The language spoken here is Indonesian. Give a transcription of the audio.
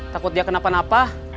takut dia kenapa napa